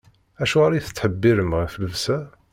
Acuɣer i tettḥebbiṛem ɣef llebsa?